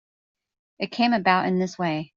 It came about in this way.